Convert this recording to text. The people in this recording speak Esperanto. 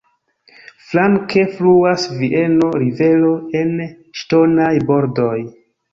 Flanke fluas Vieno-rivero en ŝtonaj bordoj.